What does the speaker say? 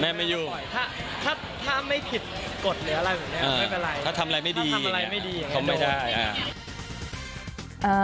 ถ้าถ้าไม่ผิดกฎหรืออะไรแบบนี้ไม่เป็นไรถ้าทำอะไรไม่ดีอย่างเงี้ยทำไม่ได้เอ่อ